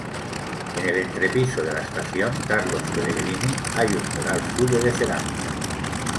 En el entrepiso de la estación Carlos Pellegrini hay un mural suyo de cerámica.